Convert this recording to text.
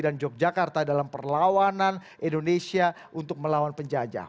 dan yogyakarta dalam perlawanan indonesia untuk melawan penjajah